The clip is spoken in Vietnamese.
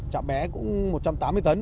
trạm bé cũng một trăm tám mươi tấn